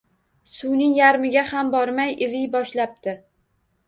Suvning yarmiga ham bormay iviy boshlabdi